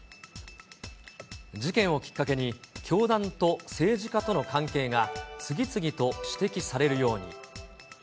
事件をきっかけに、教団と政治家との関係が、次々と指摘されるように。